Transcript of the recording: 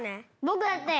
僕だって。